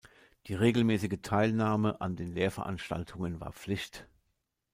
Die regelmäßige Teilnahme an den Lehrveranstaltungen war Pflicht.